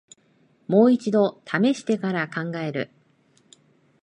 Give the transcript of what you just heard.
もう一度ためしてから考える